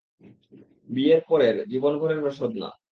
বিয়ের পরের, জীবনভরের রসদ না।